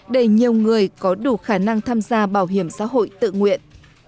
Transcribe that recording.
để nhiều người có đủ khả năng tham gia bảo hiểm xã hội tự nguyện